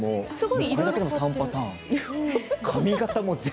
これだけでも３パターンです。